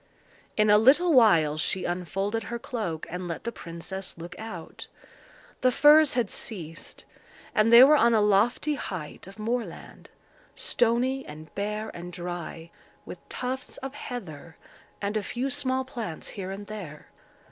In a little while she unfolded her cloak, and let the princess look out. The firs had ceased; and they were on a lofty height of moorland, stony and bare and dry, with tufts of heather and a few small plants here and there.